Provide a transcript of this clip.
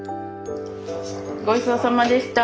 ごちそうさまでした。